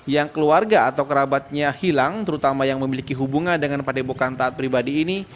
yang keluarga atau kerabatnya hilang terutama yang memiliki hubungan dengan padepokan taat pribadi ini